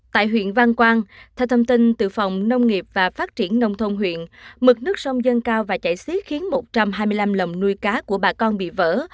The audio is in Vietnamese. tại huyện văn quang theo thông tin từ phòng nông nghiệp và phát triển nông thôn huyện mực nước sông dân cao và chảy xiết khiến một trăm hai mươi năm lồng nuôi cá của bà con bị vỡ